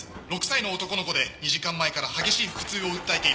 ６歳の男の子で２時間前から激しい腹痛を訴えています。